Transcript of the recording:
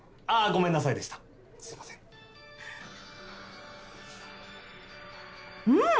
ごめんなさいでしたすいませんうん！